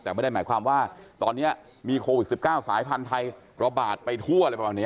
แต่ไม่ได้หมายความว่าตอนนี้มีโควิด๑๙สายพันธุ์ไทยระบาดไปทั่วอะไรประมาณนี้